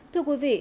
thưa quý vị